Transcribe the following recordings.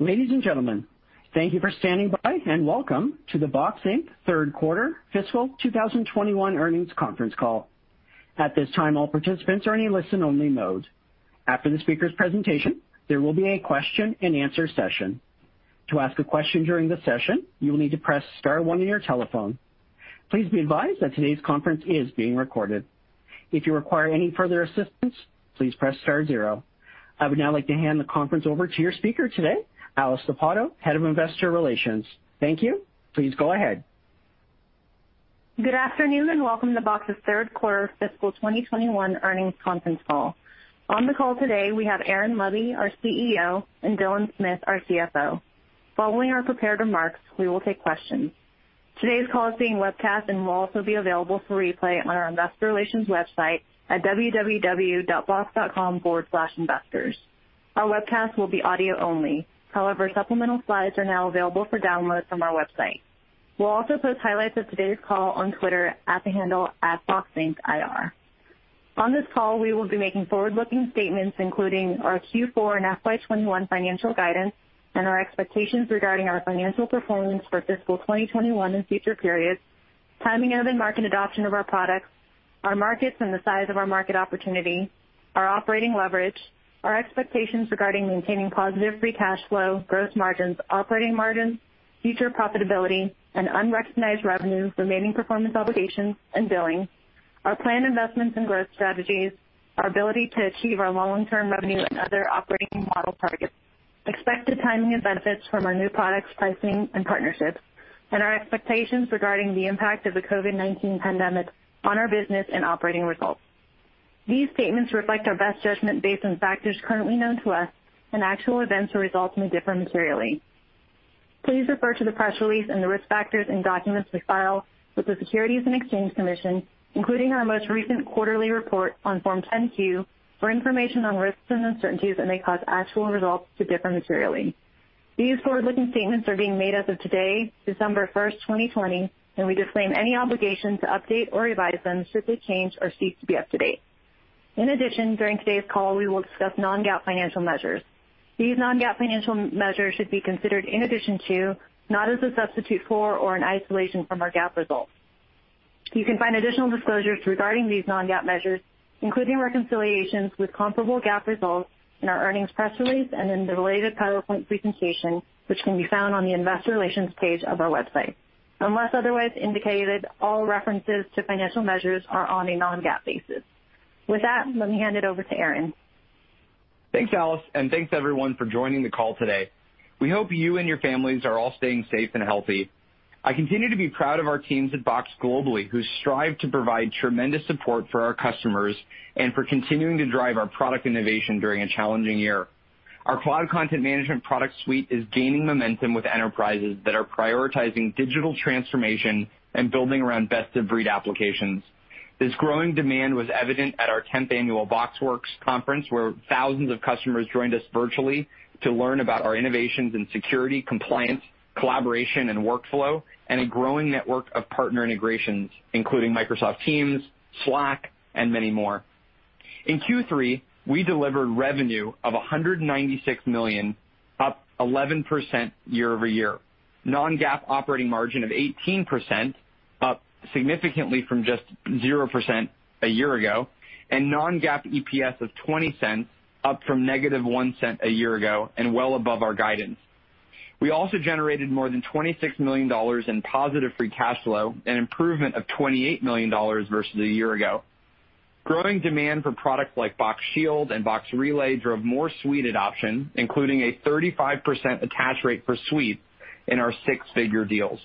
Ladies and gentlemen, thank you for standing by, and welcome to the Box, Inc. third quarter fiscal 2021 earnings conference call. At this time, all participants are in listen-only mode. After the speaker's presentation, there will be a question and answer session. To ask a question during this session, you would need to press star one on your telephone. Please be advised that today's conference is being recorded. If you require any further assistance, please press star zero. I would now like to hand the conference over to your speaker today, Cynthia Hiponia, Head of Investor Relations. Thank you. Please go ahead. Good afternoon and welcome to Box's third quarter fiscal 2021 earnings conference call. On the call today, we have Aaron Levie, our CEO, and Dylan Smith, our CFO. Following our prepared remarks, we will take questions. Today's call is being webcast and will also be available for replay on our investor relations website at www.box.com/investors. Our webcast will be audio only. Supplemental slides are now available for download from our website. We'll also post highlights of today's call on Twitter at the handle @BoxIncIR. On this call, we will be making forward-looking statements, including our Q4 and FY 2021 financial guidance and our expectations regarding our financial performance for fiscal 2021 and future periods, timing of and market adoption of our products, our markets and the size of our market opportunity, our operating leverage, our expectations regarding maintaining positive free cash flow, gross margins, operating margins, future profitability, and unrecognized revenue, remaining performance obligations, and billing, our planned investments and growth strategies, our ability to achieve our long-term revenue and other operating model targets, expected timing and benefits from our new products, pricing, and partnerships, and our expectations regarding the impact of the COVID-19 pandemic on our business and operating results. These statements reflect our best judgment based on factors currently known to us, and actual events or results may differ materially. Please refer to the press release and the risk factors and documents we file with the Securities and Exchange Commission, including our most recent quarterly report on Form 10-Q, for information on risks and uncertainties that may cause actual results to differ materially. These forward-looking statements are being made as of today, December 1st, 2020. We disclaim any obligation to update or revise them should they change or cease to be up to date. During today's call, we will discuss non-GAAP financial measures. These non-GAAP financial measures should be considered in addition to, not as a substitute for or an isolation from our GAAP results. You can find additional disclosures regarding these non-GAAP measures, including reconciliations with comparable GAAP results, in our earnings press release and in the related PowerPoint presentation, which can be found on the investor relations page of our website. Unless otherwise indicated, all references to financial measures are on a non-GAAP basis. With that, let me hand it over to Aaron. Thanks, Cynthia, and thanks everyone for joining the call today. We hope you and your families are all staying safe and healthy. I continue to be proud of our teams at Box globally, who strive to provide tremendous support for our customers and for continuing to drive our product innovation during a challenging year. Our Cloud Content Management product suite is gaining momentum with enterprises that are prioritizing digital transformation and building around best-of-breed applications. This growing demand was evident at our 10th annual BoxWorks conference, where thousands of customers joined us virtually to learn about our innovations in security, compliance, collaboration, and workflow, and a growing network of partner integrations, including Microsoft Teams, Slack, and many more. In Q3, we delivered revenue of $196 million, up 11% year-over-year, non-GAAP operating margin of 18%, up significantly from just 0% a year ago, and non-GAAP EPS of $0.20, up from -$0.01 a year ago and well above our guidance. We also generated more than $26 million in positive free cash flow, an improvement of $28 million versus a year ago. Growing demand for products like Box Shield and Box Relay drove more suite adoption, including a 35% attach rate for suites in our six-figure deals.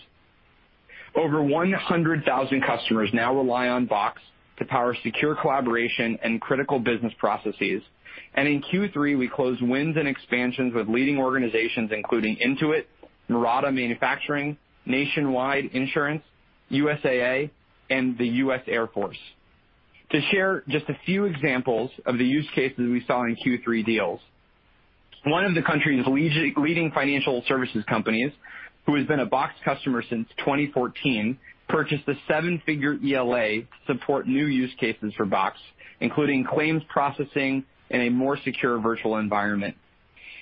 Over 100,000 customers now rely on Box to power secure collaboration and critical business processes. In Q3, we closed wins and expansions with leading organizations including Intuit, Murata Manufacturing, Nationwide Insurance, USAA, and the U.S. Air Force. To share just a few examples of the use cases we saw in Q3 deals, one of the country's leading financial services companies, who has been a Box customer since 2014, purchased a seven-figure ELA to support new use cases for Box, including claims processing in a more secure virtual environment.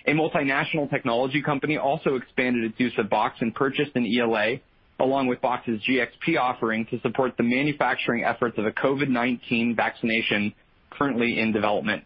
A multinational technology company also expanded its use of Box and purchased an ELA, along with Box's GxP offering, to support the manufacturing efforts of a COVID-19 vaccination currently in development.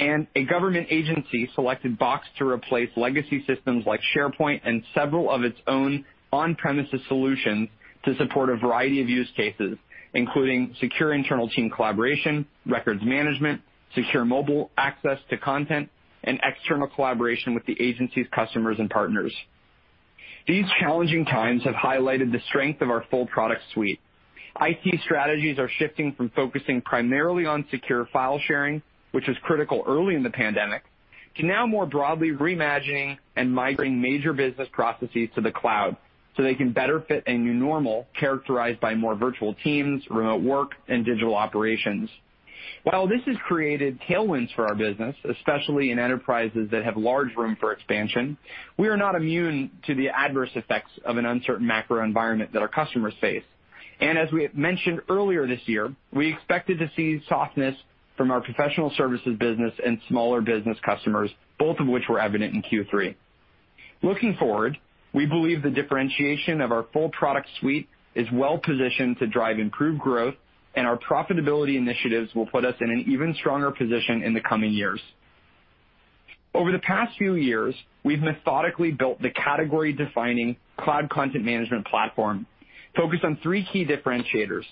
A government agency selected Box to replace legacy systems like SharePoint and several of its own on-premises solutions to support a variety of use cases, including secure internal team collaboration, records management, secure mobile access to content, and external collaboration with the agency's customers and partners. These challenging times have highlighted the strength of our full product suite. IT strategies are shifting from focusing primarily on secure file sharing, which was critical early in the pandemic, to now more broadly reimagining and migrating major business processes to the cloud so they can better fit a new normal characterized by more virtual teams, remote work, and digital operations. While this has created tailwinds for our business, especially in enterprises that have large room for expansion, we are not immune to the adverse effects of an uncertain macro environment that our customers face. As we had mentioned earlier this year, we expected to see softness from our professional services business and smaller business customers, both of which were evident in Q3. Looking forward, we believe the differentiation of our full product suite is well-positioned to drive improved growth, and our profitability initiatives will put us in an even stronger position in the coming years. Over the past few years, we've methodically built the category-defining Cloud Content Management platform focused on three key differentiators,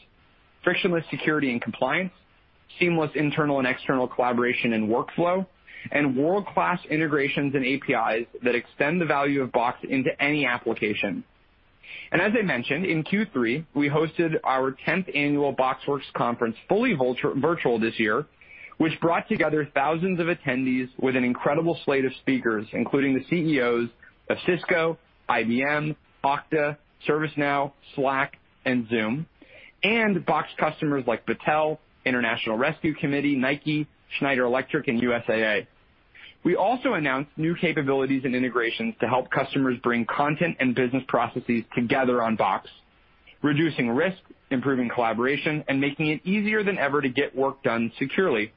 frictionless security and compliance, seamless internal and external collaboration and workflow, and world-class integrations and APIs that extend the value of Box into any application. As I mentioned, in Q3, we hosted our 10th annual BoxWorks conference, fully virtual this year, which brought together thousands of attendees with an incredible slate of speakers, including the CEOs of Cisco, IBM, Okta, ServiceNow, Slack, and Zoom, and Box customers like Battelle, International Rescue Committee, Nike, Schneider Electric, and USAA. We also announced new capabilities and integrations to help customers bring content and business processes together on Box, reducing risk, improving collaboration, and making it easier than ever to get work done securely.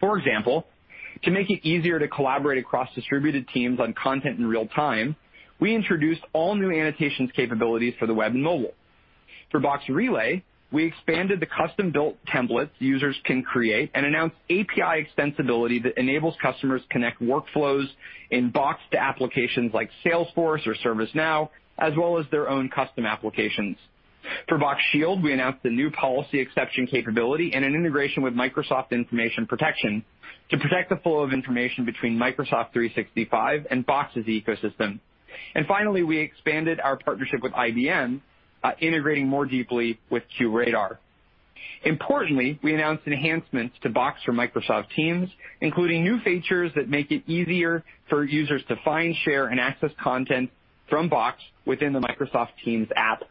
For example, to make it easier to collaborate across distributed teams on content in real time, we introduced all-new annotations capabilities for the web and mobile. For Box Relay, we expanded the custom-built templates users can create and announced API extensibility that enables customers connect workflows in Box to applications like Salesforce or ServiceNow, as well as their own custom applications. For Box Shield, we announced a new policy exception capability and an integration with Microsoft Information Protection to protect the flow of information between Microsoft 365 and Box's ecosystem. Finally, we expanded our partnership with IBM, integrating more deeply with QRadar. Importantly, we announced enhancements to Box for Microsoft Teams, including new features that make it easier for users to find, share, and access content from Box within the Microsoft Teams app.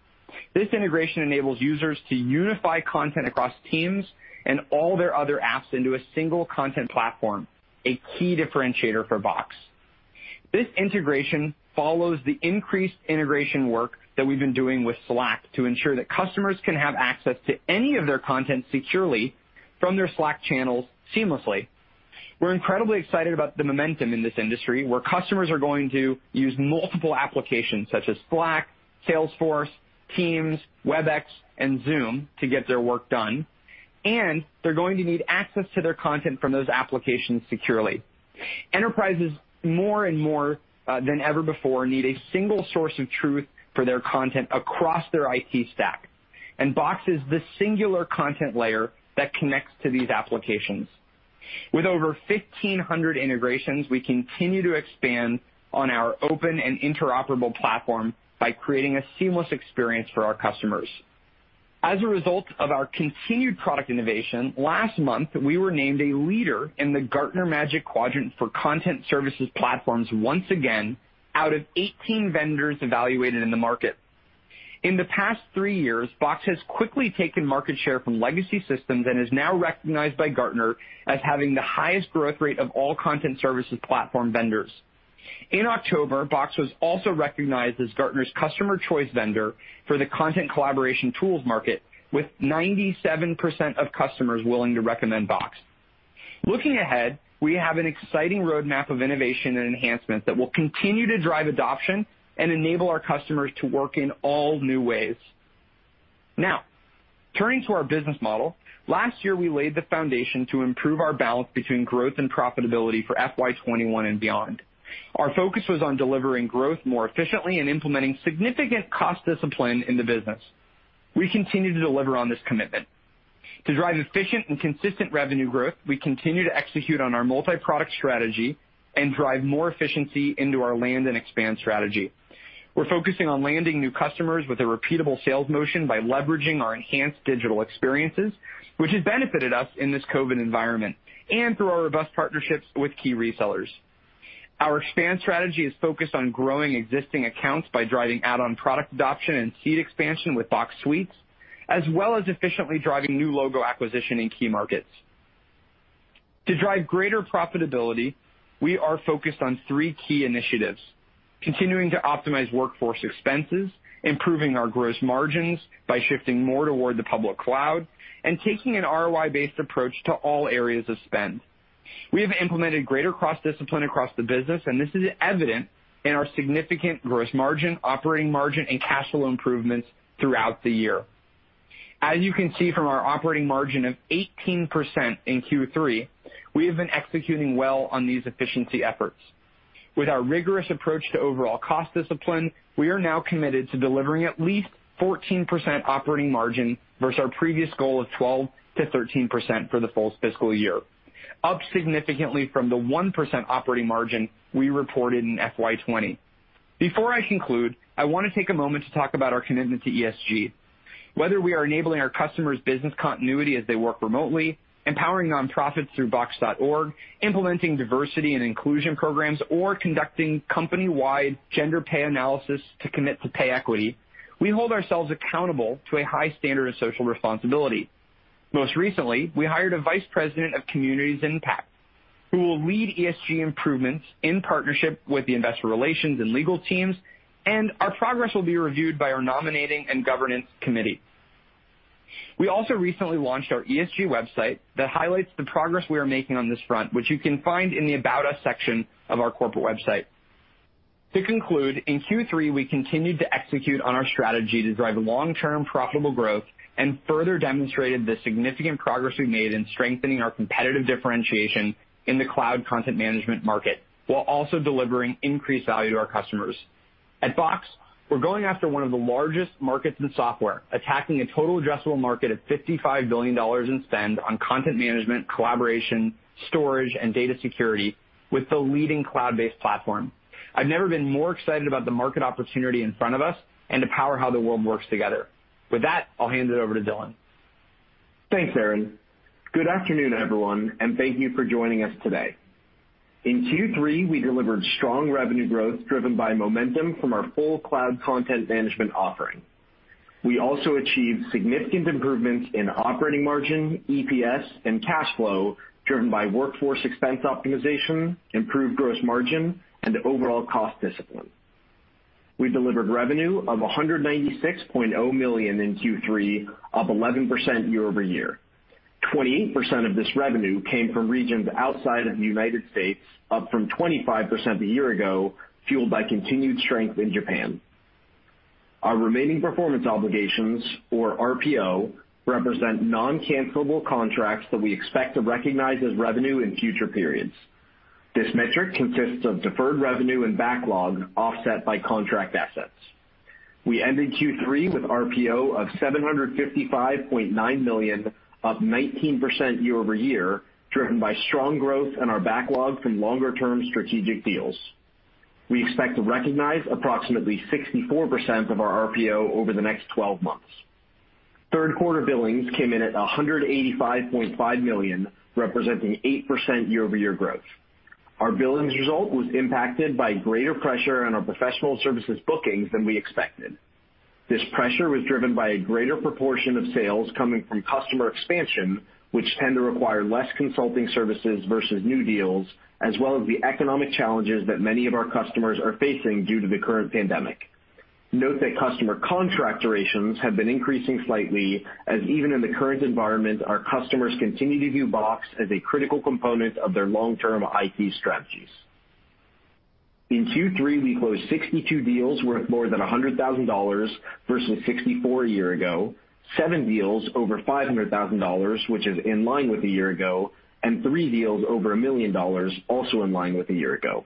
This integration enables users to unify content across Teams and all their other apps into a single content platform, a key differentiator for Box. This integration follows the increased integration work that we've been doing with Slack to ensure that customers can have access to any of their content securely from their Slack channels seamlessly. We're incredibly excited about the momentum in this industry, where customers are going to use multiple applications such as Slack, Salesforce, Teams, Webex, and Zoom to get their work done, and they're going to need access to their content from those applications securely. Enterprises, more and more than ever before, need a single source of truth for their content across their IT stack, and Box is the singular content layer that connects to these applications. With over 1,500 integrations, we continue to expand on our open and interoperable platform by creating a seamless experience for our customers. As a result of our continued product innovation, last month, we were named a leader in the Gartner Magic Quadrant for Content Services Platforms once again, out of 18 vendors evaluated in the market. In the past three years, Box has quickly taken market share from legacy systems and is now recognized by Gartner as having the highest growth rate of all content services platform vendors. In October, Box was also recognized as Gartner's customer choice vendor for the content collaboration tools market, with 97% of customers willing to recommend Box. Looking ahead, we have an exciting roadmap of innovation and enhancement that will continue to drive adoption and enable our customers to work in all-new ways. Now, turning to our business model, last year, we laid the foundation to improve our balance between growth and profitability for FY 2021 and beyond. Our focus was on delivering growth more efficiently and implementing significant cost discipline in the business. We continue to deliver on this commitment. To drive efficient and consistent revenue growth, we continue to execute on our multi-product strategy and drive more efficiency into our land and expand strategy. We're focusing on landing new customers with a repeatable sales motion by leveraging our enhanced digital experiences, which has benefited us in this COVID environment, and through our robust partnerships with key resellers. Our expand strategy is focused on growing existing accounts by driving add-on product adoption and seat expansion with Box Suites, as well as efficiently driving new logo acquisition in key markets. To drive greater profitability, we are focused on three key initiatives, continuing to optimize workforce expenses, improving our gross margins by shifting more toward the public cloud, and taking an ROI-based approach to all areas of spend. We have implemented greater cost discipline across the business, and this is evident in our significant gross margin, operating margin, and cash flow improvements throughout the year. As you can see from our operating margin of 18% in Q3, we have been executing well on these efficiency efforts. With our rigorous approach to overall cost discipline, we are now committed to delivering at least 14% operating margin versus our previous goal of 12%-13% for the full fiscal year, up significantly from the 1% operating margin we reported in FY 2020. Before I conclude, I want to take a moment to talk about our commitment to ESG. Whether we are enabling our customers' business continuity as they work remotely, empowering nonprofits through Box.org, implementing diversity and inclusion programs, or conducting company-wide gender pay analysis to commit to pay equity, we hold ourselves accountable to a high standard of social responsibility. Most recently, we hired a vice president of communities impact who will lead ESG improvements in partnership with the investor relations and legal teams, and our progress will be reviewed by our nominating and governance committee. We also recently launched our ESG website that highlights the progress we are making on this front, which you can find in the About Us section of our corporate website. To conclude, in Q3, we continued to execute on our strategy to drive long-term profitable growth and further demonstrated the significant progress we made in strengthening our competitive differentiation in the cloud content management market, while also delivering increased value to our customers. At Box, we're going after one of the largest markets in software, attacking a total addressable market of $55 billion in spend on content management, collaboration, storage, and data security with the leading cloud-based platform. I've never been more excited about the market opportunity in front of us and to power how the world works together. With that, I'll hand it over to Dylan. Thanks, Aaron. Good afternoon, everyone, and thank you for joining us today. In Q3, we delivered strong revenue growth driven by momentum from our full Cloud Content Management offering. We also achieved significant improvements in operating margin, EPS, and cash flow driven by workforce expense optimization, improved gross margin, and overall cost discipline. We delivered revenue of $196.0 million in Q3, up 11% year-over-year. 28% of this revenue came from regions outside of the United States, up from 25% a year ago, fueled by continued strength in Japan. Our remaining performance obligations, or RPO, represent non-cancellable contracts that we expect to recognize as revenue in future periods. This metric consists of deferred revenue and backlog offset by contract assets. We ended Q3 with RPO of $755.9 million, up 19% year-over-year, driven by strong growth in our backlog from longer-term strategic deals. We expect to recognize approximately 64% of our RPO over the next 12 months. Third quarter billings came in at $185.5 million, representing 8% year-over-year growth. Our billings result was impacted by greater pressure on our professional services bookings than we expected. This pressure was driven by a greater proportion of sales coming from customer expansion, which tend to require less consulting services versus new deals, as well as the economic challenges that many of our customers are facing due to the current pandemic. Note that customer contract durations have been increasing slightly, as even in the current environment, our customers continue to view Box as a critical component of their long-term IT strategies. In Q3, we closed 62 deals worth more than $100,000 versus 64 a year ago, seven deals over $500,000, which is in line with a year ago, and three deals over $1 million, also in line with a year ago.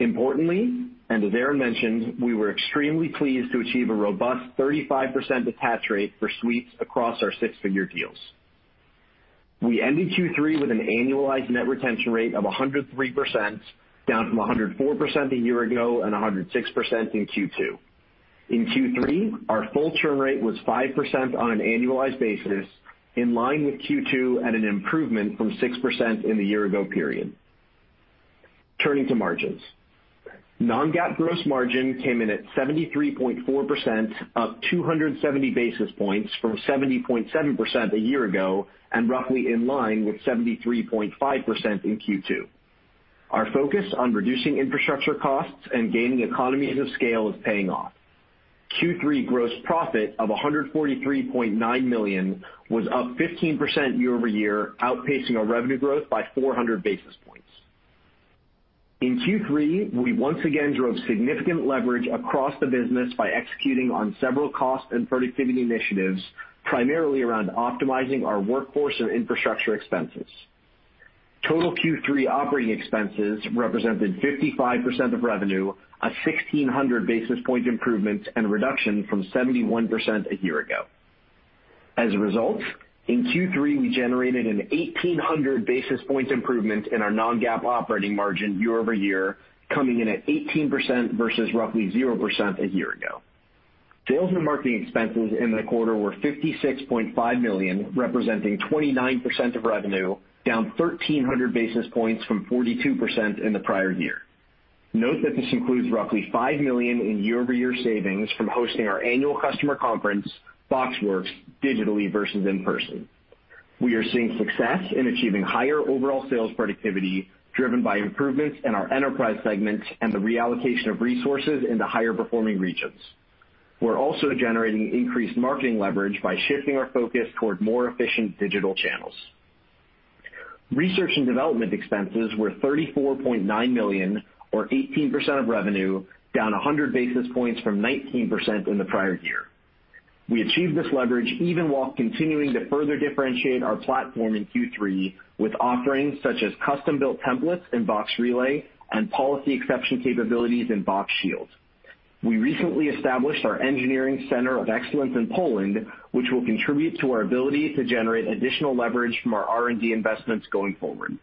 Importantly, as Aaron mentioned, we were extremely pleased to achieve a robust 35% attach rate for Box Suites across our six-figure deals. We ended Q3 with an annualized net retention rate of 103%, down from 104% a year ago and 106% in Q2. In Q3, our full churn rate was 5% on an annualized basis, in line with Q2 at an improvement from 6% in the year-ago period. Turning to margins. Non-GAAP gross margin came in at 73.4%, up 270 basis points from 70.7% a year ago and roughly in line with 73.5% in Q2. Our focus on reducing infrastructure costs and gaining economies of scale is paying off. Q3 gross profit of $143.9 million was up 15% year-over-year, outpacing our revenue growth by 400 basis points. In Q3, we once again drove significant leverage across the business by executing on several cost and productivity initiatives, primarily around optimizing our workforce and infrastructure expenses. Total Q3 operating expenses represented 55% of revenue, a 1,600 basis point improvement and reduction from 71% a year ago. As a result, in Q3, we generated an 1,800 basis points improvement in our non-GAAP operating margin year-over-year, coming in at 18% versus roughly 0% a year ago. Sales and marketing expenses in the quarter were $56.5 million, representing 29% of revenue, down 1,300 basis points from 42% in the prior year. Note that this includes roughly $5 million in year-over-year savings from hosting our annual customer conference, BoxWorks, digitally versus in person. We are seeing success in achieving higher overall sales productivity, driven by improvements in our enterprise segments and the reallocation of resources into higher-performing regions. We're also generating increased marketing leverage by shifting our focus toward more efficient digital channels. Research and development expenses were $34.9 million or 18% of revenue, down 100 basis points from 19% in the prior year. We achieved this leverage even while continuing to further differentiate our platform in Q3 with offerings such as custom-built templates in Box Relay and policy exception capabilities in Box Shield. We recently established our engineering center of excellence in Poland, which will contribute to our ability to generate additional leverage from our R&D investments going forward.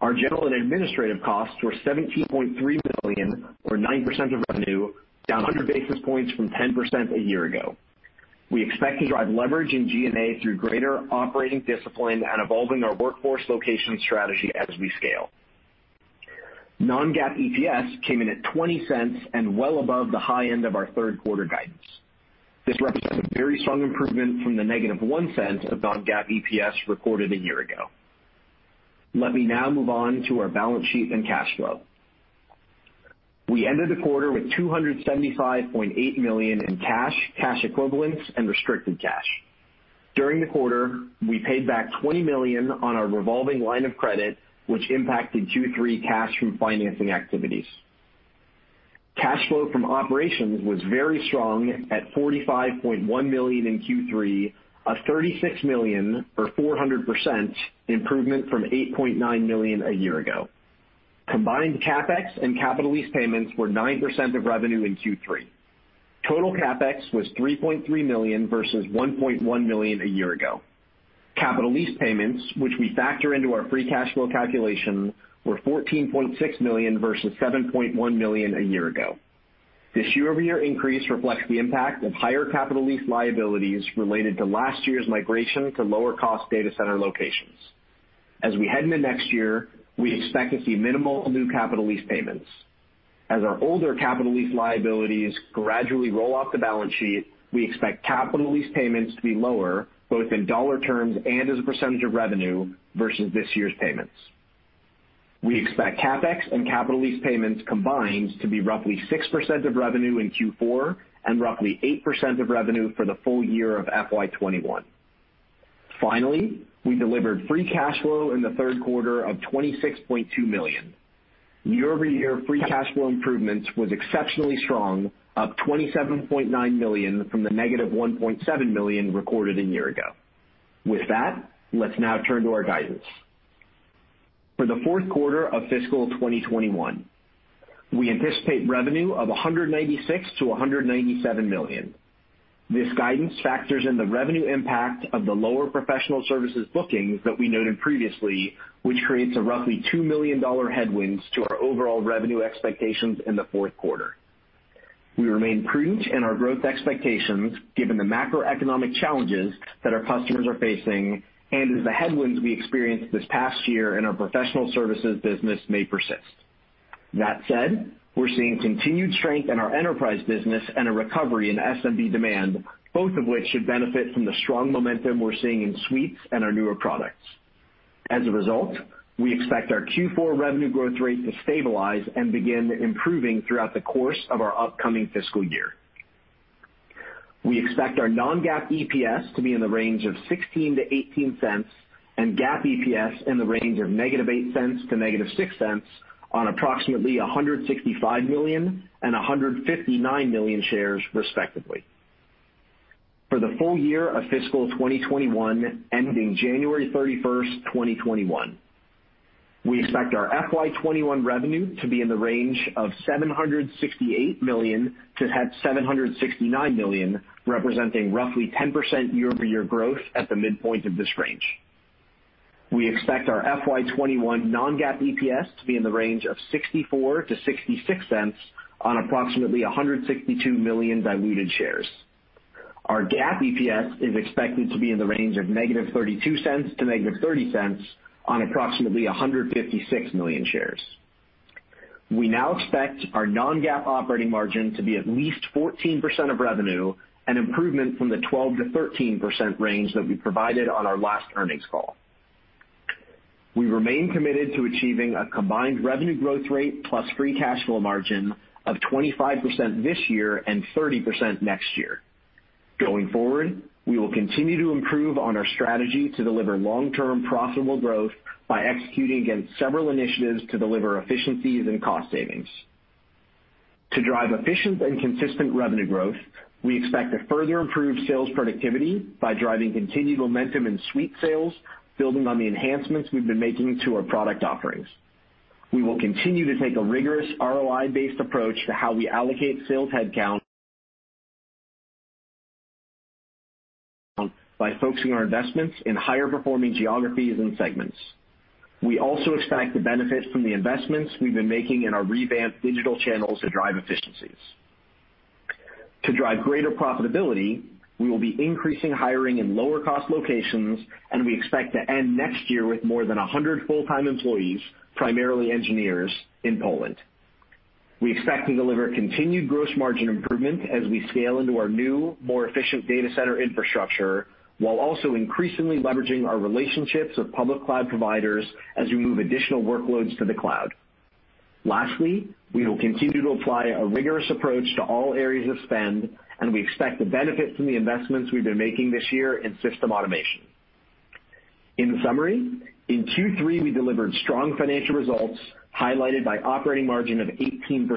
Our general and administrative costs were $17.3 million or 9% of revenue, down 100 basis points from 10% a year ago. We expect to drive leverage in G&A through greater operating discipline and evolving our workforce location strategy as we scale. Non-GAAP EPS came in at $0.20 and well above the high end of our third quarter guidance. This represents a very strong improvement from the -$0.01 of non-GAAP EPS recorded a year ago. Let me now move on to our balance sheet and cash flow. We ended the quarter with $275.8 million in cash equivalents, and restricted cash. During the quarter, we paid back $20 million on our revolving line of credit, which impacted Q3 cash from financing activities. Cash flow from operations was very strong at $45.1 million in Q3, a $36 million or 400% improvement from $8.9 million a year ago. Combined CapEx and capital lease payments were 9% of revenue in Q3. Total CapEx was $3.3 million versus $1.1 million a year ago. Capital lease payments, which we factor into our free cash flow calculation, were $14.6 million versus $7.1 million a year ago. This year-over-year increase reflects the impact of higher capital lease liabilities related to last year's migration to lower cost data center locations. As we head into next year, we expect to see minimal new capital lease payments. As our older capital lease liabilities gradually roll off the balance sheet, we expect capital lease payments to be lower, both in dollar terms and as a percentage of revenue versus this year's payments. We expect CapEx and capital lease payments combined to be roughly 6% of revenue in Q4 and roughly 8% of revenue for the full year of FY 2021. Finally, we delivered free cash flow in the third quarter of $26.2 million. Year-over-year free cash flow improvements was exceptionally strong, up $27.9 million from the -$1.7 million recorded a year ago. With that, let's now turn to our guidance. For the fourth quarter of fiscal 2021, we anticipate revenue of $196 million-$197 million. This guidance factors in the revenue impact of the lower professional services bookings that we noted previously, which creates a roughly $2 million headwinds to our overall revenue expectations in the fourth quarter. We remain prudent in our growth expectations given the macroeconomic challenges that our customers are facing and as the headwinds we experienced this past year in our professional services business may persist. That said, we're seeing continued strength in our enterprise business and a recovery in SMB demand, both of which should benefit from the strong momentum we're seeing in suites and our newer products. As a result, we expect our Q4 revenue growth rate to stabilize and begin improving throughout the course of our upcoming fiscal year. We expect our non-GAAP EPS to be in the range of $0.16-$0.18 and GAAP EPS in the range of -$0.08 to -$0.06 on approximately 165 million and 159 million shares, respectively. For the full year of fiscal 2021 ending January 31st, 2021, we expect our FY 2021 revenue to be in the range of $768 million-$769 million, representing roughly 10% year-over-year growth at the midpoint of this range. We expect our FY 2021 non-GAAP EPS to be in the range of $0.64-$0.66 on approximately 162 million diluted shares. Our GAAP EPS is expected to be in the range of -$0.32 to -$0.30 on approximately 156 million shares. We now expect our non-GAAP operating margin to be at least 14% of revenue, an improvement from the 12%-13% range that we provided on our last earnings call. We remain committed to achieving a combined revenue growth rate plus free cash flow margin of 25% this year and 30% next year. Going forward, we will continue to improve on our strategy to deliver long-term profitable growth by executing against several initiatives to deliver efficiencies and cost savings. To drive efficient and consistent revenue growth, we expect to further improve sales productivity by driving continued momentum in Suite sales, building on the enhancements we've been making to our product offerings. We will continue to take a rigorous ROI-based approach to how we allocate sales headcount by focusing our investments in higher performing geographies and segments. We also expect the benefit from the investments we've been making in our revamped digital channels to drive efficiencies. To drive greater profitability, we will be increasing hiring in lower cost locations. We expect to end next year with more than 100 full-time employees, primarily engineers in Poland. We expect to deliver continued gross margin improvement as we scale into our new, more efficient data center infrastructure, while also increasingly leveraging our relationships with public cloud providers as we move additional workloads to the cloud. Lastly, we will continue to apply a rigorous approach to all areas of spend. We expect the benefit from the investments we've been making this year in system automation. In summary, in Q3, we delivered strong financial results highlighted by operating margin of 18%.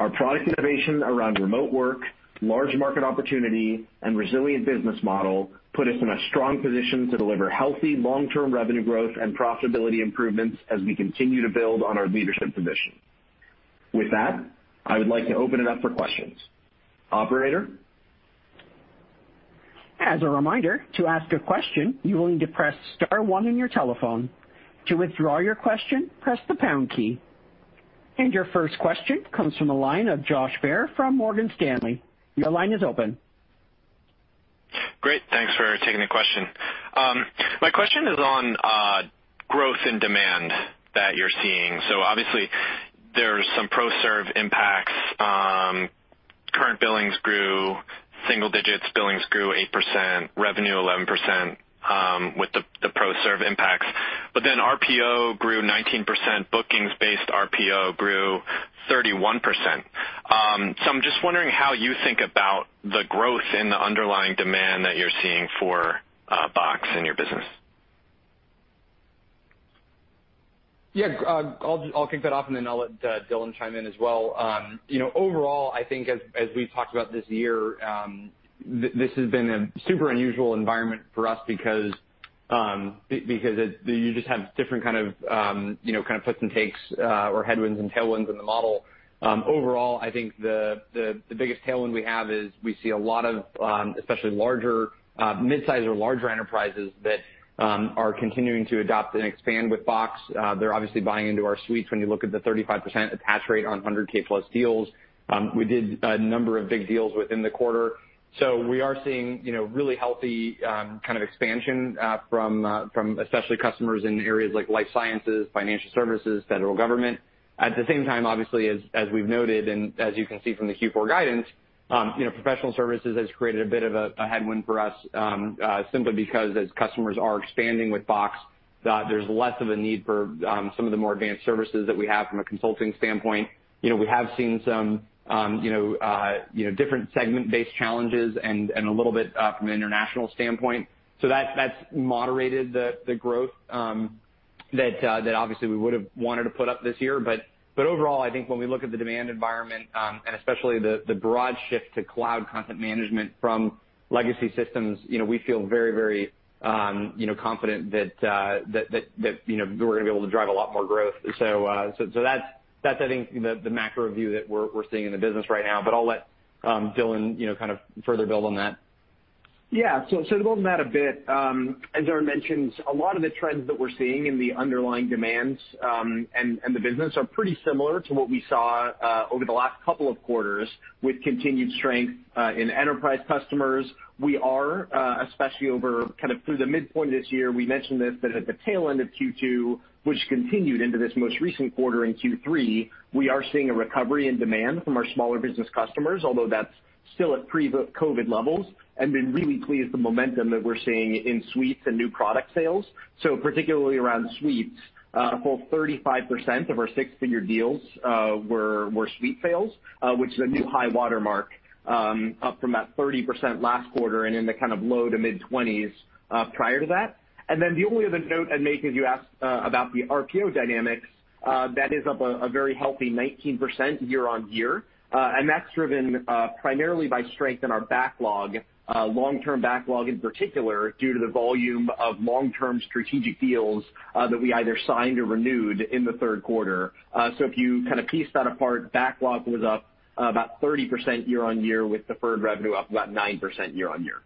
Our product innovation around remote work, large market opportunity, and resilient business model put us in a strong position to deliver healthy long-term revenue growth and profitability improvements as we continue to build on our leadership position. With that, I would like to open it up for questions. Operator? As a reminder to ask a question, you need to press star one on your telephone. To withdraw your question press the pound key. Your first question comes from the line of Josh Baer from Morgan Stanley. Your line is open. Great. Thanks for taking the question. My question is on growth and demand that you're seeing. Obviously there's some pro serve impacts. Current billings grew single digits, billings grew 8%, revenue 11%, with the pro serve impacts. RPO grew 19%, bookings based RPO grew 31%. I'm just wondering how you think about the growth in the underlying demand that you're seeing for Box in your business. Yeah. I'll kick that off, and then I'll let Dylan chime in as well. Overall, I think as we've talked about this year, this has been a super unusual environment for us because you just have different kind of puts and takes or headwinds and tailwinds in the model. Overall, I think the biggest tailwind we have is we see a lot of especially mid-size or larger enterprises that are continuing to adopt and expand with Box. They're obviously buying into our suites, when you look at the 35% attach rate on 100K+ deals. We did a number of big deals within the quarter. We are seeing really healthy kind of expansion from especially customers in areas like life sciences, financial services, federal government. At the same time, obviously as we've noted, and as you can see from the Q4 guidance, professional services has created a bit of a headwind for us, simply because as customers are expanding with Box, there's less of a need for some of the more advanced services that we have from a consulting standpoint. We have seen some different segment-based challenges and a little bit from an international standpoint. That's I think the macro view that we're seeing in the business right now, but I'll let Dylan kind of further build on that. Yeah. To build on that a bit, as Aaron mentioned, a lot of the trends that we're seeing in the underlying demands, and the business are pretty similar to what we saw over the last couple of quarters with continued strength in enterprise customers. We are, especially over kind of through the midpoint of this year, we mentioned this, that at the tail end of Q2, which continued into this most recent quarter in Q3, we are seeing a recovery in demand from our smaller business customers, although that's still at pre-COVID levels, and been really pleased the momentum that we're seeing in suites and new product sales. Particularly around suites, a full 35% of our six-figure deals were suite sales, which is a new high watermark, up from about 30% last quarter and in the kind of low to mid-20s prior to that. The only other note I'd make is you asked about the RPO dynamics. That is up a very healthy 19% year-on-year. That's driven primarily by strength in our backlog, long-term backlog in particular, due to the volume of long-term strategic deals that we either signed or renewed in the third quarter. If you kind of piece that apart, backlog was up about 30% year-on-year with deferred revenue up about 9% year-on-year.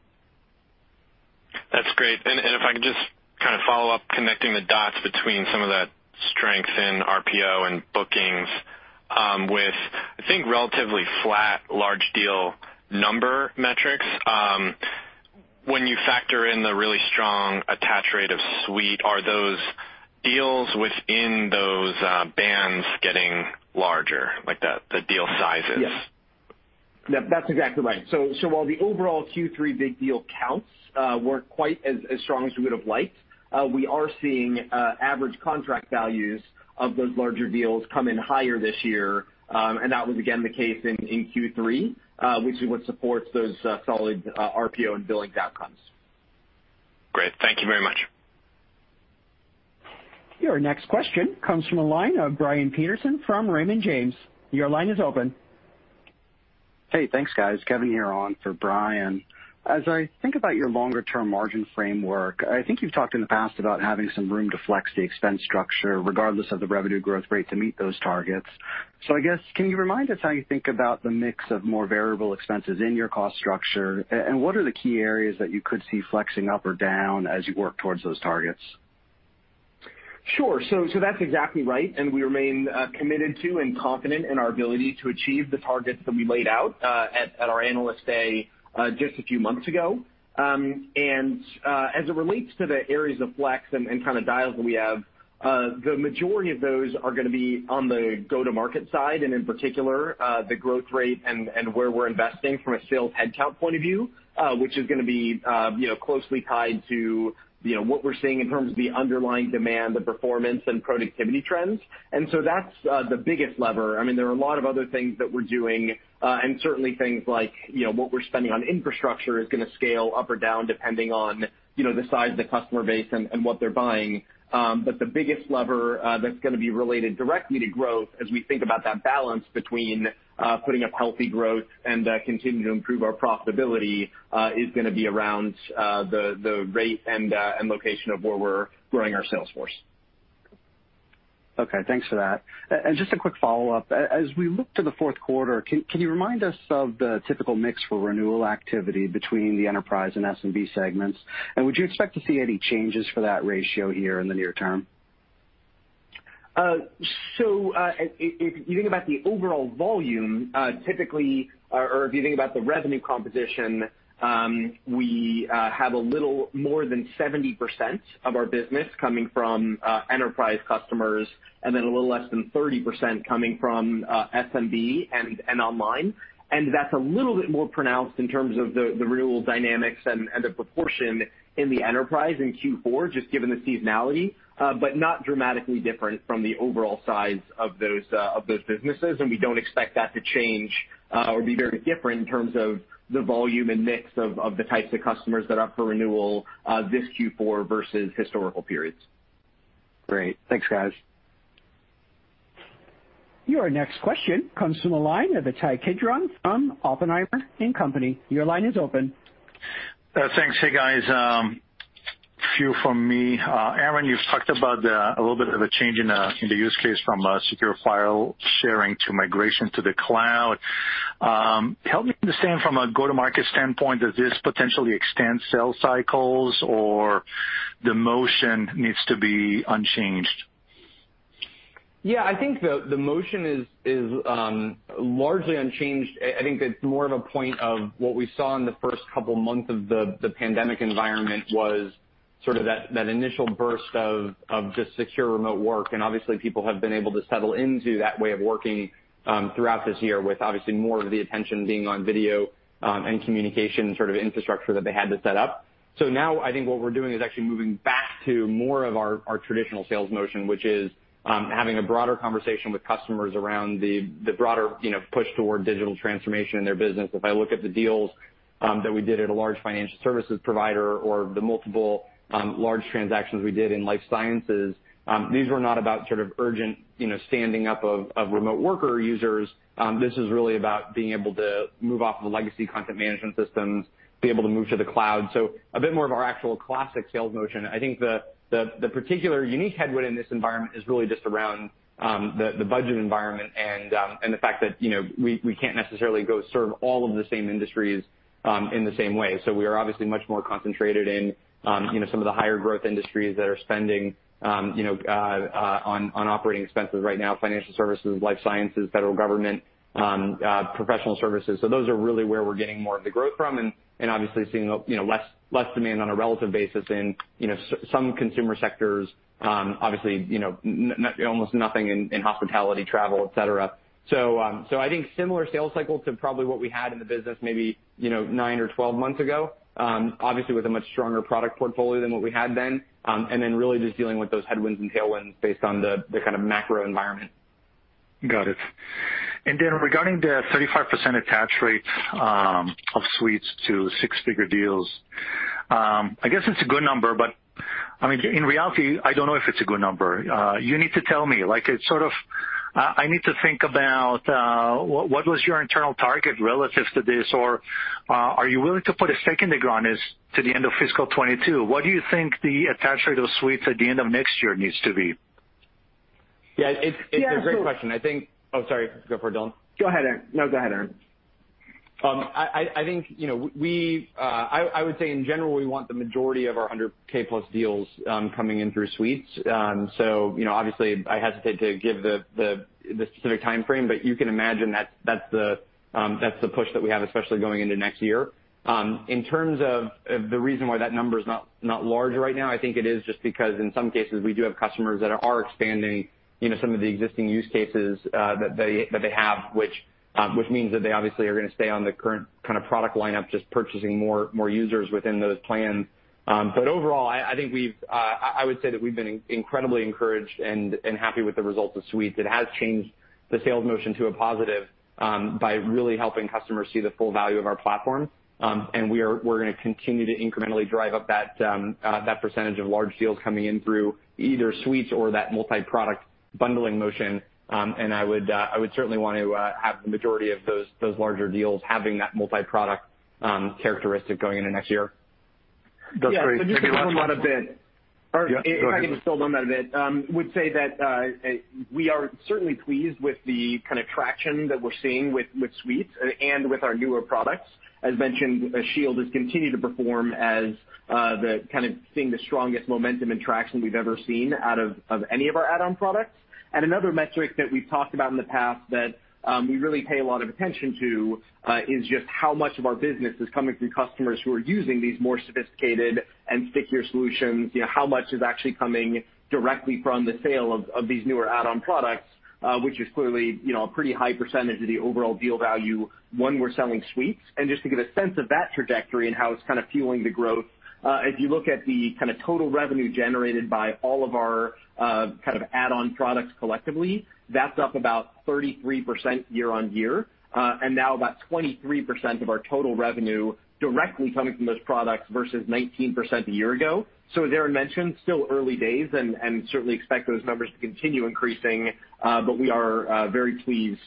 That's great. If I could just kind of follow up connecting the dots between some of that strength in RPO and bookings with, I think, relatively flat large deal number metrics. When you factor in the really strong attach rate of Suite, are those deals within those bands getting larger, like the deal sizes? Yes. That's exactly right. While the overall Q3 big deal counts weren't quite as strong as we would have liked, we are seeing average contract values of those larger deals come in higher this year, and that was again the case in Q3, which is what supports those solid RPO and billings outcomes. Great. Thank you very much. Your next question comes from the line of Brian Peterson from Raymond James. Your line is open. Hey, thanks guys. Kevin here on for Brian. As I think about your longer term margin framework, I think you've talked in the past about having some room to flex the expense structure regardless of the revenue growth rate to meet those targets. I guess, can you remind us how you think about the mix of more variable expenses in your cost structure, and what are the key areas that you could see flexing up or down as you work towards those targets? Sure. That's exactly right, and we remain committed to and confident in our ability to achieve the targets that we laid out at our Analyst Day just a few months ago. As it relates to the areas of flex and kind of dials that we have, the majority of those are going to be on the go-to-market side, and in particular, the growth rate and where we're investing from a sales headcount point of view, which is going to be closely tied to what we're seeing in terms of the underlying demand, the performance and productivity trends. That's the biggest lever. There are a lot of other things that we're doing, and certainly things like what we're spending on infrastructure is going to scale up or down depending on the size of the customer base and what they're buying. The biggest lever that's going to be related directly to growth as we think about that balance between putting up healthy growth and continuing to improve our profitability, is going to be around the rate and location of where we're growing our sales force. Okay, thanks for that. Just a quick follow-up. As we look to the fourth quarter, can you remind us of the typical mix for renewal activity between the enterprise and SMB segments, and would you expect to see any changes for that ratio here in the near term? If you think about the overall volume, typically, or if you think about the revenue composition, we have a little more than 70% of our business coming from enterprise customers, and then a little less than 30% coming from SMB and online. That's a little bit more pronounced in terms of the renewal dynamics and the proportion in the enterprise in Q4, just given the seasonality. Not dramatically different from the overall size of those businesses, and we don't expect that to change or be very different in terms of the volume and mix of the types of customers that are up for renewal this Q4 versus historical periods. Great. Thanks, guys. Your next question comes from the line of Ittai Kidron from Oppenheimer & Co. Inc. Your line is open. Thanks. Hey, guys. A few from me. Aaron, you've talked about a little bit of a change in the use case from secure file sharing to migration to the cloud. Help me understand from a go-to-market standpoint, does this potentially extend sales cycles or the motion needs to be unchanged? Yeah, I think the motion is largely unchanged. I think that's more of a point of what we saw in the first couple of months of the pandemic environment was sort of that initial burst of just secure remote work, and obviously people have been able to settle into that way of working throughout this year, with obviously more of the attention being on video and communication sort of infrastructure that they had to set up. Now I think what we're doing is actually moving back to more of our traditional sales motion, which is having a broader conversation with customers around the broader push toward digital transformation in their business. If I look at the deals that we did at a large financial services provider or the multiple large transactions we did in life sciences, these were not about sort of urgent standing up of remote worker users. This is really about being able to move off of the legacy Content Services Platforms, be able to move to the cloud. A bit more of our actual classic sales motion. I think the particular unique headwind in this environment is really just around the budget environment and the fact that we can't necessarily go serve all of the same industries in the same way. We are obviously much more concentrated in some of the higher growth industries that are spending on operating expenses right now, financial services, life sciences, federal government, professional services. Those are really where we're getting more of the growth from, and obviously seeing less demand on a relative basis in some consumer sectors. Obviously, almost nothing in hospitality, travel, et cetera. I think similar sales cycles to probably what we had in the business maybe nine or 12 months ago. Obviously, with a much stronger product portfolio than what we had then. Really just dealing with those headwinds and tailwinds based on the kind of macro environment. Got it. Regarding the 35% attach rate of Suites to six-figure deals, I guess it's a good number, I mean, in reality, I don't know if it's a good number. You need to tell me. I need to think about what was your internal target relative to this, are you willing to put a stake in the ground as to the end of fiscal 2022? What do you think the attach rate of Suites at the end of next year needs to be? Yeah, it's a great question. Oh, sorry. Go for it, Dylan. Go ahead, Aaron. No, go ahead, Aaron. I would say in general, we want the majority of our 100K+ deals coming in through Suites. Obviously I hesitate to give the specific timeframe, but you can imagine that's the push that we have, especially going into next year. In terms of the reason why that number is not large right now, I think it is just because in some cases, we do have customers that are expanding some of the existing use cases that they have, which means that they obviously are going to stay on the current kind of product lineup, just purchasing more users within those plans. Overall, I would say that we've been incredibly encouraged and happy with the results of Suites. It has changed the sales motion to a positive by really helping customers see the full value of our platform. We're going to continue to incrementally drive up that percentage of large deals coming in through either Suites or that multi-product bundling motion. I would certainly want to have the majority of those larger deals having that multi-product characteristic going into next year. That's great. Yeah, just to build on that a bit. Yeah, go ahead. If I could just build on that a bit. We are certainly pleased with the kind of traction that we're seeing with Suites and with our newer products. As mentioned, Shield has continued to perform as the kind of seeing the strongest momentum and traction we've ever seen out of any of our add-on products. Another metric that we've talked about in the past that we really pay a lot of attention to is just how much of our business is coming through customers who are using these more sophisticated and stickier solutions. How much is actually coming directly from the sale of these newer add-on products, which is clearly a pretty high percentage of the overall deal value when we're selling Suites. Just to get a sense of that trajectory and how it's kind of fueling the growth, if you look at the kind of total revenue generated by all of our kind of add-on products collectively, that's up about 33% year-on-year. Now about 23% of our total revenue directly coming from those products versus 19% a year ago. As Aaron mentioned, still early days and certainly expect those numbers to continue increasing. We are very pleased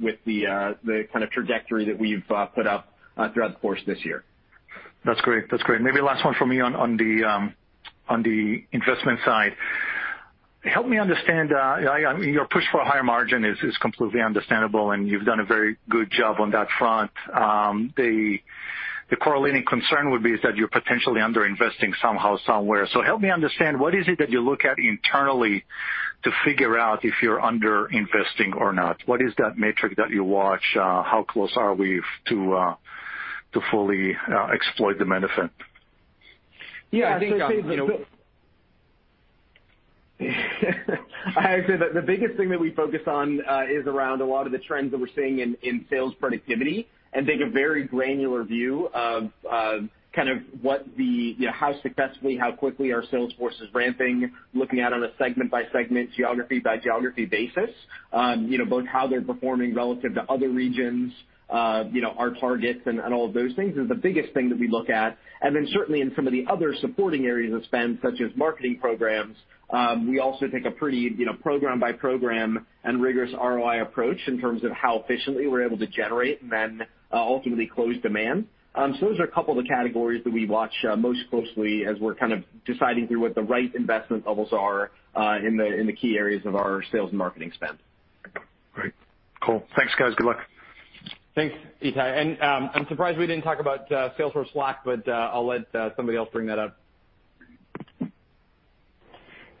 with the kind of trajectory that we've put up throughout the course of this year. That's great. Maybe last one from me on the investment side. Help me understand, your push for a higher margin is completely understandable, and you've done a very good job on that front. The correlating concern would be is that you're potentially under-investing somehow, somewhere. Help me understand, what is it that you look at internally to figure out if you're under-investing or not? What is that metric that you watch? How close are we to fully exploit the benefit? Yeah. I'd say the biggest thing that we focus on is around a lot of the trends that we're seeing in sales productivity, and take a very granular view of how successfully, how quickly our sales force is ramping, looking at it on a segment-by-segment, geography-by-geography basis. Both how they're performing relative to other regions, our targets, and all of those things is the biggest thing that we look at. Certainly in some of the other supporting areas of spend, such as marketing programs, we also take a pretty program-by-program and rigorous ROI approach in terms of how efficiently we're able to generate and then ultimately close demand. Those are a couple of the categories that we watch most closely as we're kind of deciding through what the right investment levels are in the key areas of our sales and marketing spend. Great. Cool. Thanks, guys. Good luck. Thanks, Ittai. I'm surprised we didn't talk about Salesforce Slack, but I'll let somebody else bring that up.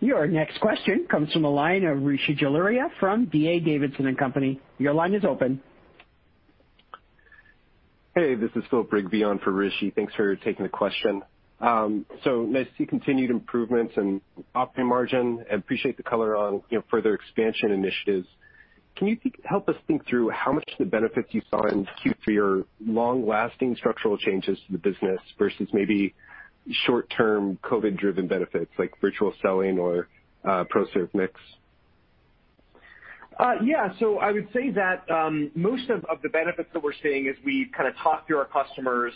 Your next question comes from the line of Rishi Jaluria from D.A. Davidson & Co. Your line is open. Hey, this is Phil Briggi for Rishi. Thanks for taking the question. Nice to see continued improvements in operating margin, and appreciate the color on further expansion initiatives. Can you help us think through how much of the benefits you saw in Q3 are long-lasting structural changes to the business versus maybe short-term COVID-driven benefits like virtual selling or ProServ mix? Yeah. I would say that most of the benefits that we're seeing as we kind of talk through our customers,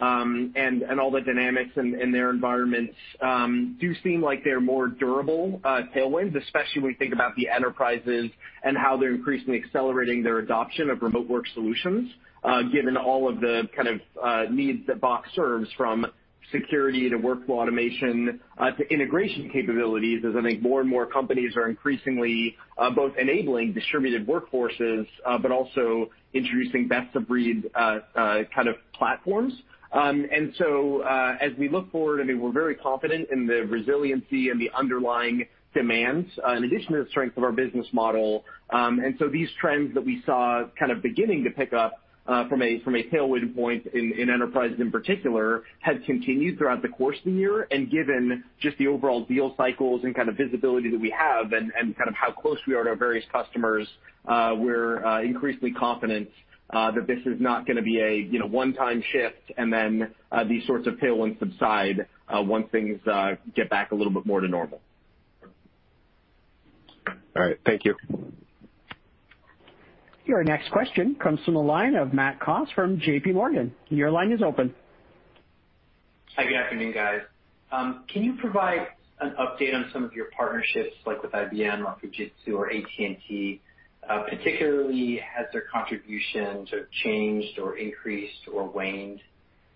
and all the dynamics in their environments, do seem like they're more durable tailwinds, especially when we think about the enterprises and how they're increasingly accelerating their adoption of remote work solutions, given all of the kind of needs that Box serves, from security to workflow automation to integration capabilities, as I think more and more companies are increasingly both enabling distributed workforces, but also introducing best-of-breed kind of platforms. As we look forward, we're very confident in the resiliency and the underlying demands, in addition to the strength of our business model. These trends that we saw kind of beginning to pick up from a tailwind point in enterprises in particular, have continued throughout the course of the year. Given just the overall deal cycles and kind of visibility that we have and kind of how close we are to our various customers, we're increasingly confident that this is not going to be a one-time shift and then these sorts of tailwinds subside once things get back a little bit more to normal. All right. Thank you. Your next question comes from the line of Matt Coss from JPMorgan. Your line is open. Hi. Good afternoon, guys. Can you provide an update on some of your partnerships, like with IBM, or Fujitsu, or AT&T? Particularly, has their contributions changed or increased or waned?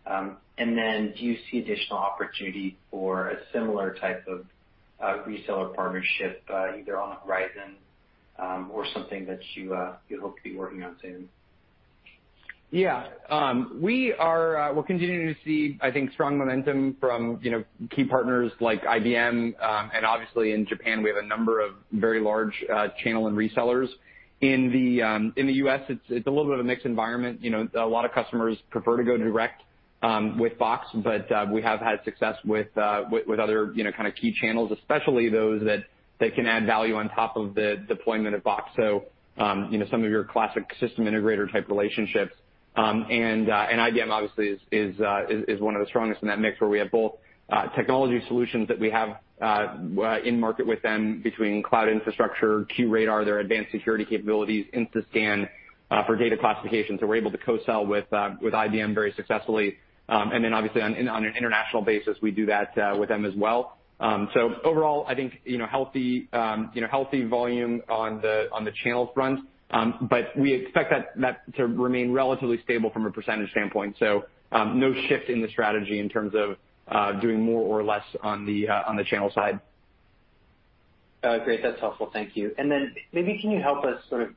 Do you see additional opportunity for a similar type of reseller partnership, either on the horizon or something that you hope to be working on soon? Yeah. We're continuing to see, I think, strong momentum from key partners like IBM. Obviously in Japan, we have a number of very large channel and resellers. In the U.S., it's a little bit of a mixed environment. A lot of customers prefer to go direct with Box. We have had success with other kind of key channels, especially those that can add value on top of the deployment of Box, some of your classic system integrator type relationships. IBM obviously is one of the strongest in that mix, where we have both technology solutions that we have in market with them, between cloud infrastructure, QRadar, their advanced security capabilities, InstaScan for data classification. We're able to co-sell with IBM very successfully. Obviously on an international basis, we do that with them as well. Overall, I think healthy volume on the channels front. We expect that to remain relatively stable from a percentage standpoint. No shift in the strategy in terms of doing more or less on the channel side. Great. That's helpful. Thank you. Maybe can you help us sort of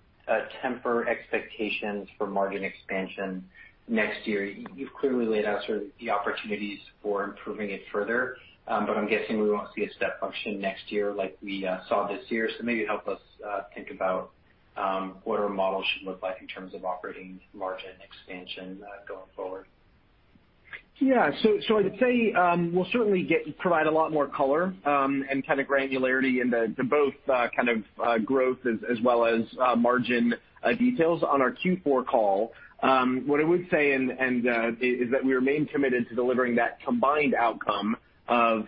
temper expectations for margin expansion next year? You've clearly laid out sort of the opportunities for improving it further. I'm guessing we won't see a step function next year like we saw this year. Maybe help us think about what our model should look like in terms of operating margin expansion going forward. Yeah. I'd say we'll certainly provide a lot more color, and granularity in the both kind of growth as well as margin details on our Q4 call. What I would say is that we remain committed to delivering that combined outcome of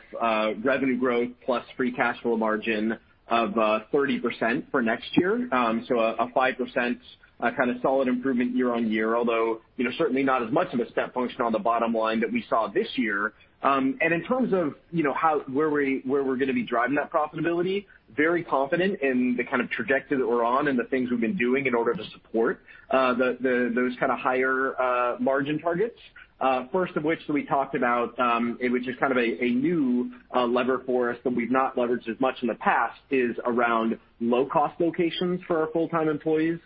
revenue growth plus free cash flow margin of 30% for next year. A 5% kind of solid improvement year-on-year, although, certainly not as much of a step function on the bottom line that we saw this year. In terms of where we're going to be driving that profitability, very confident in the kind of trajectory that we're on and the things we've been doing in order to support those kind of higher margin targets. First of which that we talked about, which is kind of a new lever for us that we've not leveraged as much in the past, is around low-cost locations for our full-time employees.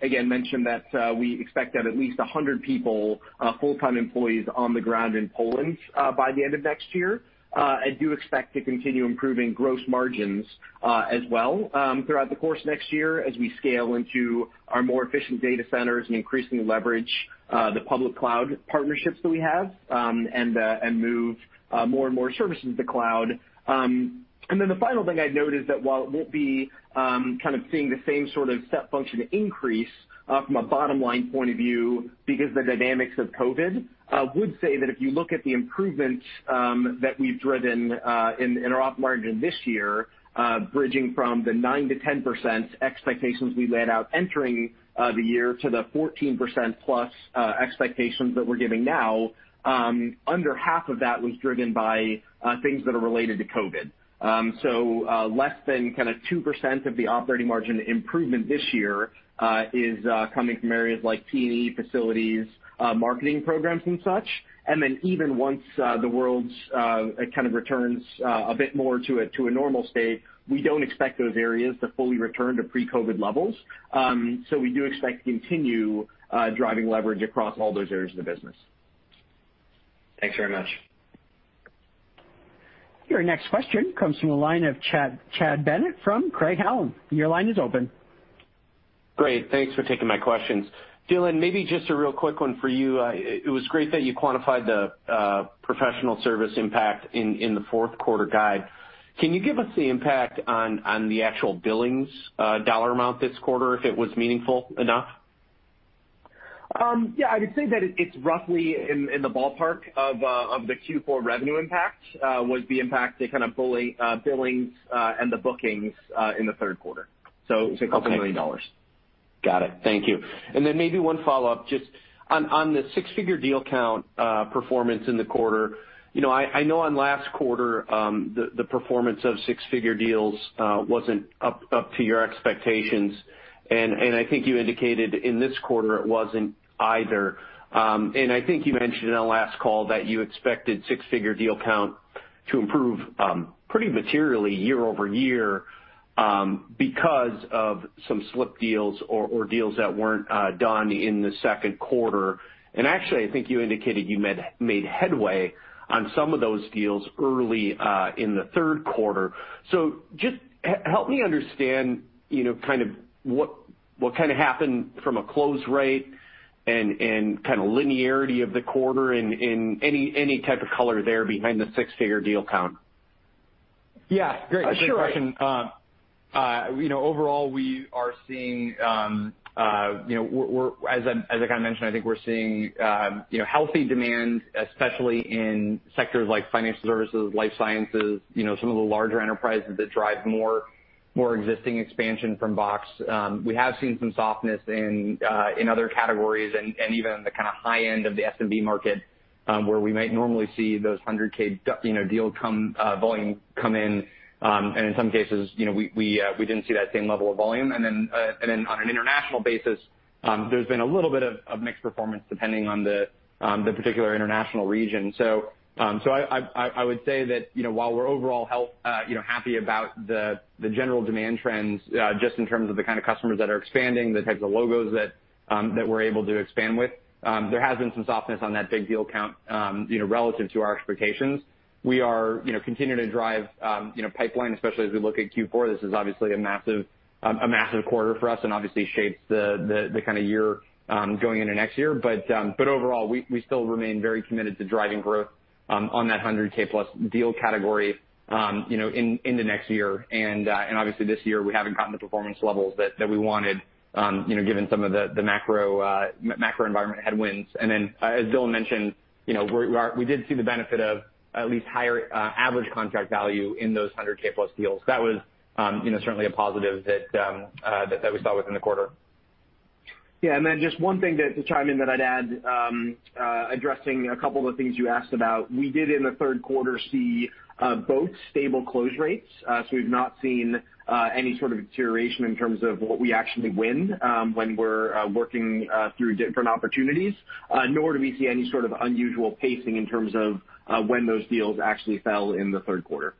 Again, mentioned that we expect to have at least 100 people, full-time employees on the ground in Poland by the end of next year. I do expect to continue improving gross margins as well throughout the course of next year as we scale into our more efficient data centers and increasingly leverage the public cloud partnerships that we have, and move more and more services to the cloud. The final thing I'd note is that while it won't be kind of seeing the same sort of step function increase from a bottom-line point of view because of the dynamics of COVID, I would say that if you look at the improvements that we've driven in our op margin this year, bridging from the 9%-10% expectations we laid out entering the year to the 14%+ expectations that we're giving now, under half of that was driven by things that are related to COVID. Less than 2% of the operating margin improvement this year is coming from areas like T&E, facilities, marketing programs and such. Even once the world kind of returns a bit more to a normal state, we don't expect those areas to fully return to pre-COVID levels. We do expect to continue driving leverage across all those areas of the business. Thanks very much. Your next question comes from the line of Chad Bennett from Craig-Hallum. Your line is open. Great. Thanks for taking my questions. Dylan, maybe just a real quick one for you. It was great that you quantified the professional service impact in the fourth quarter guide. Can you give us the impact on the actual billings dollar amount this quarter, if it was meaningful enough? Yeah, I would say that it's roughly in the ballpark of the Q4 revenue impact, was the impact to kind of billings and the bookings in the third quarter. It's a couple million dollars. Got it. Thank you. Maybe one follow-up, just on the six-figure deal count performance in the quarter. I know on last quarter, the performance of six-figure deals wasn't up to your expectations, and I think you indicated in this quarter it wasn't either. I think you mentioned on last call that you expected six-figure deal count to improve pretty materially year-over-year, because of some slipped deals or deals that weren't done in the second quarter. Actually, I think you indicated you made headway on some of those deals early in the third quarter. Just help me understand what kind of happened from a close rate and kind of linearity of the quarter and any type of color there behind the six-figure deal count. Yeah, great. Sure. Great question. Overall, as I kind of mentioned, I think we're seeing healthy demand, especially in sectors like financial services, life sciences, some of the larger enterprises that drive more existing expansion from Box. We have seen some softness in other categories and even in the kind of high end of the SMB market, where we might normally see those 100K deal volume come in. In some cases, we didn't see that same level of volume. On an international basis, there's been a little bit of mixed performance, depending on the particular international region. I would say that while we're overall happy about the general demand trends, just in terms of the kind of customers that are expanding, the types of logos that we're able to expand with, there has been some softness on that big deal count relative to our expectations. We are continuing to drive pipeline, especially as we look at Q4. This is obviously a massive quarter for us and obviously shapes the kind of year going into next year. Overall, we still remain very committed to driving growth on that 100K+ deal category in the next year. Obviously this year, we haven't gotten the performance levels that we wanted given some of the macro environment headwinds. As Dylan mentioned, we did see the benefit of at least higher average contract value in those 100K+ deals. That was certainly a positive that we saw within the quarter. Just one thing to chime in that I'd add, addressing a couple of things you asked about. We did in the third quarter see both stable close rates, so we've not seen any sort of deterioration in terms of what we actually win when we're working through different opportunities. Nor do we see any sort of unusual pacing in terms of when those deals actually fell in the third quarter.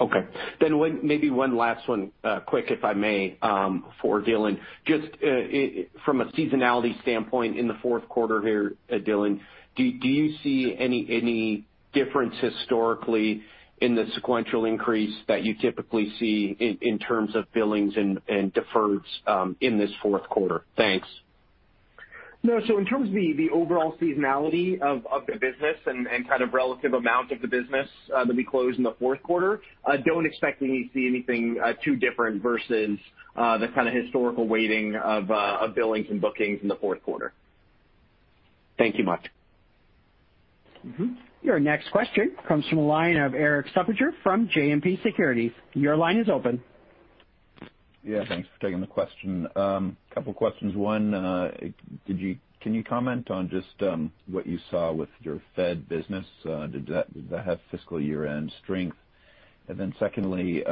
Okay. Maybe one last one quick, if I may, for Dylan. Just from a seasonality standpoint in the fourth quarter here, Dylan, do you see any difference historically in the sequential increase that you typically see in terms of billings and deferments in this fourth quarter? Thanks. No. In terms of the overall seasonality of the business and relative amount of the business that we close in the fourth quarter, don't expect we need to see anything too different versus the kind of historical weighting of billings and bookings in the fourth quarter. Thank you much. Your next question comes from the line of Erik Suppiger from JMP Securities. Your line is open. Yeah, thanks for taking the question. Couple questions. One, can you comment on just what you saw with your Fed business? Did that have fiscal year-end strength? Secondly,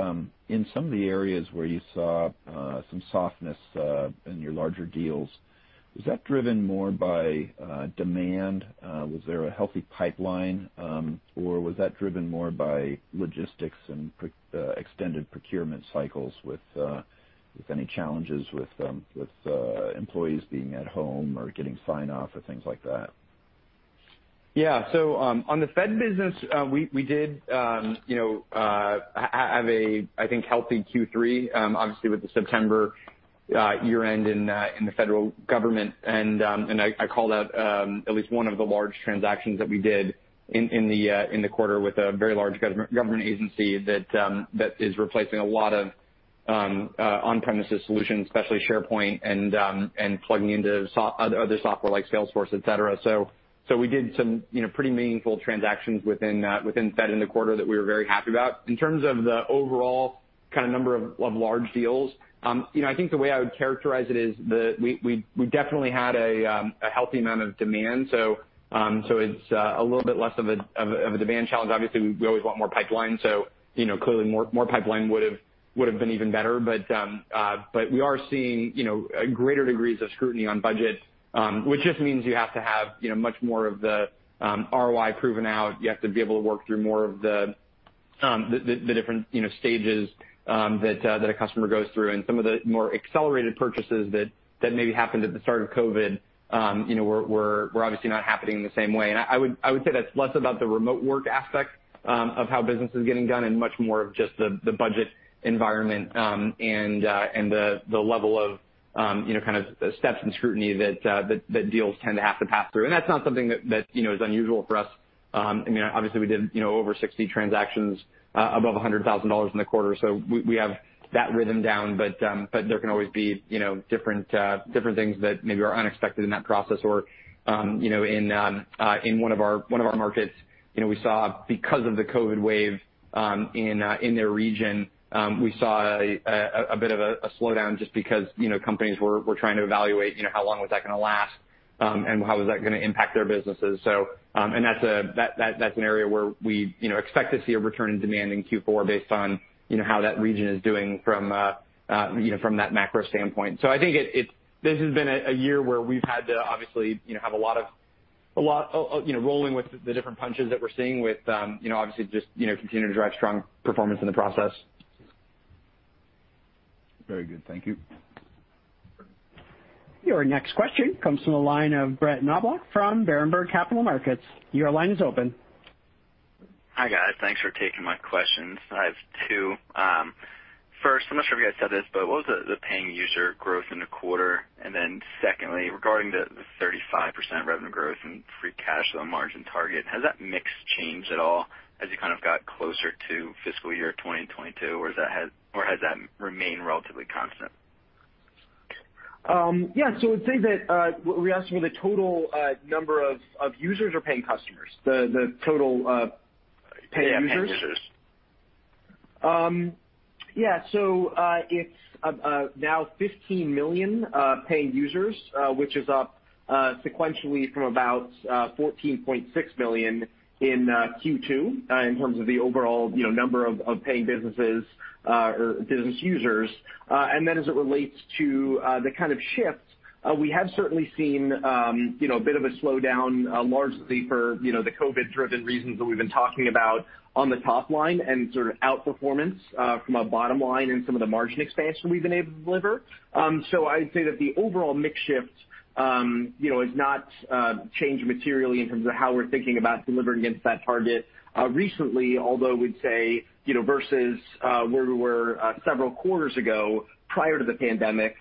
in some of the areas where you saw some softness in your larger deals, was that driven more by demand? Was there a healthy pipeline, or was that driven more by logistics and extended procurement cycles with any challenges with employees being at home or getting sign-off or things like that? On the Fed business, we did have a, I think, healthy Q3, obviously with the September year-end in the federal government. I called out at least one of the large transactions that we did in the quarter with a very large government agency that is replacing a lot of on-premises solutions, especially SharePoint and plugging into other software like Salesforce, et cetera. We did some pretty meaningful transactions within Fed in the quarter that we were very happy about. In terms of the overall number of large deals, I think the way I would characterize it is we definitely had a healthy amount of demand, so it's a little bit less of a demand challenge. Obviously, we always want more pipeline, so clearly more pipeline would've been even better. We are seeing greater degrees of scrutiny on budget, which just means you have to have much more of the ROI proven out. You have to be able to work through more of the different stages that a customer goes through. Some of the more accelerated purchases that maybe happened at the start of COVID were obviously not happening the same way. I would say that's less about the remote work aspect of how business is getting done and much more of just the budget environment, and the level of steps and scrutiny that deals tend to have to pass through. That's not something that is unusual for us. Obviously, we did over 60 transactions above $100,000 in the quarter, so we have that rhythm down. There can always be different things that maybe are unexpected in that process, or in one of our markets, we saw because of the COVID wave in their region, we saw a bit of a slowdown just because companies were trying to evaluate how long was that going to last and how was that going to impact their businesses. That's an area where we expect to see a return in demand in Q4 based on how that region is doing from that macro standpoint. I think this has been a year where we've had to obviously have a lot of rolling with the different punches that we're seeing with obviously just continuing to drive strong performance in the process. Very good. Thank you. Your next question comes from the line of Brett Knoblauch from Berenberg Capital Markets. Your line is open. Hi, guys. Thanks for taking my questions. I have two. First, I'm not sure if you guys said this, but what was the paying user growth in the quarter? Secondly, regarding the 35% revenue growth and free cash flow margin target, has that mix changed at all as you got closer to fiscal year 2022, or has that remained relatively constant? Yeah. Were you asking for the total number of users or paying customers? The total paying users? Yeah, paying users. It's now 15 million paying users, which is up sequentially from about 14.6 million in Q2 in terms of the overall number of paying businesses or business users. As it relates to the kind of shift, we have certainly seen a bit of a slowdown largely for the COVID-driven reasons that we've been talking about on the top line and sort of outperformance from a bottom line in some of the margin expansion we've been able to deliver. I'd say that the overall mix shift has not changed materially in terms of how we're thinking about delivering against that target. Recently, although we'd say, versus where we were several quarters ago prior to the pandemic,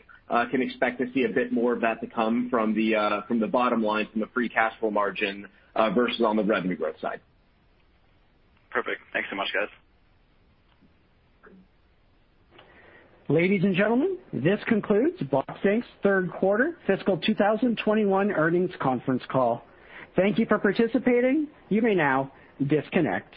can expect to see a bit more of that to come from the bottom line, from the free cash flow margin versus on the revenue growth side. Perfect. Thanks so much, guys. Ladies and gentlemen, this concludes Box, Inc.'s third quarter fiscal 2021 earnings conference call. Thank you for participating. You may now disconnect.